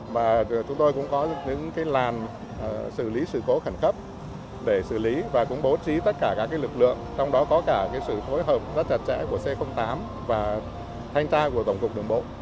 và chúng tôi cũng có những cái làn xử lý sự cố khẩn cấp để xử lý và cũng bố trí tất cả các cái lực lượng trong đó có cả cái sự hối hợp rất chặt chẽ của c tám và thanh tra của tổng cục đường bộ